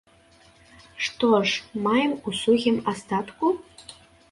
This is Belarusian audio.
Што ж маем у сухім астатку?